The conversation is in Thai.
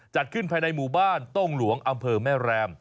จัดขึ้นภายในหมู่บ้านโต้งหลวงอำเภอแม่แรม